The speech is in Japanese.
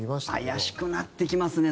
怪しくなってきますね